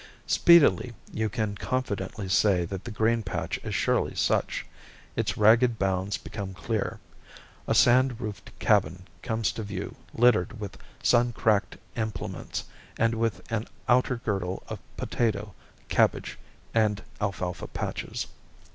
Speedily you can confidently say that the grain patch is surely such; its ragged bounds become clear; a sand roofed cabin comes to view littered with sun cracked implements and with an outer girdle of potato, cabbage, and alfalfa patches.